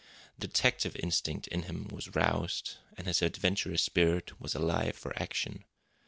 The detective instinct in him was roused, and his adventurous spirit was alive for action.